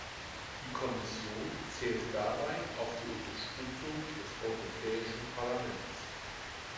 Die Kommission zählt dabei auf die Unterstützung des Europäischen Parlaments.